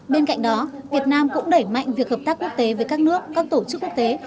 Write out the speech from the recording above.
bên cạnh đó việt nam cũng đẩy mạnh việc hợp tác quốc tế với các nước các tổ chức quốc tế